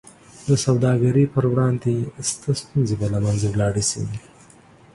د سوداګرۍ پر وړاندې شته ستونزې به له منځه ولاړې شي.